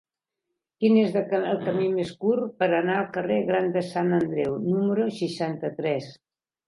Quin és el camí més curt per anar al carrer Gran de Sant Andreu número seixanta-tres?